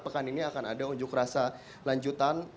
pekan ini akan ada unjuk rasa lanjutan